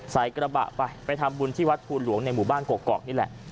ใส่กระบะไปไปทำบุญที่วัดภูหลวงในหมู่บ้านกอกนี่แหละ